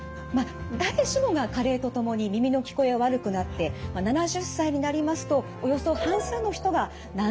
誰しもが加齢とともに耳の聞こえは悪くなって７０歳になりますとおよそ半数の人が難聴になるとされています。